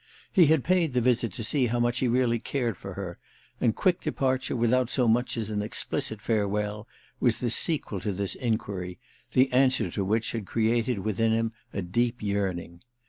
He had paid the visit to see how much he really cared for her, and quick departure, without so much as an explicit farewell, was the sequel to this enquiry, the answer to which had created within him a deep yearning.